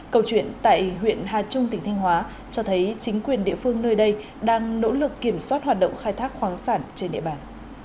câu chuyện tại huyện hà trung tỉnh thanh hóa cho thấy chính quyền địa phương nơi đây đang nỗ lực kiểm soát hoạt động khai thác khoáng sản trên địa bàn